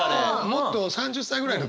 もっと３０歳ぐらいの時。